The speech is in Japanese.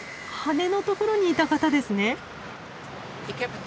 羽のところにいた方ですね？